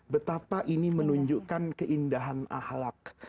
betapa ini menunjukkan keindahan ahlak